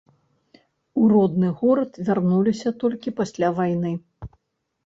У родны горад вярнуліся толькі пасля вайны.